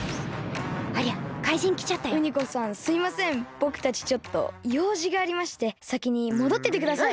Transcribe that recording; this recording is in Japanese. ぼくたちちょっとようじがありましてさきにもどっててください。